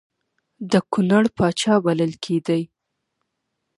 د کنړ پاچا بلل کېدی.